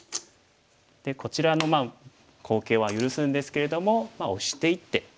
でこちらの好形は許すんですけれどもオシていって。